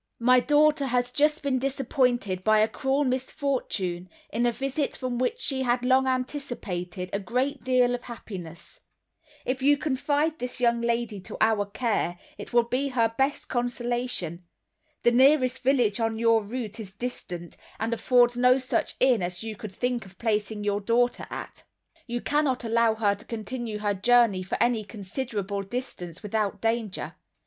My daughter has just been disappointed by a cruel misfortune, in a visit from which she had long anticipated a great deal of happiness. If you confide this young lady to our care it will be her best consolation. The nearest village on your route is distant, and affords no such inn as you could think of placing your daughter at; you cannot allow her to continue her journey for any considerable distance without danger.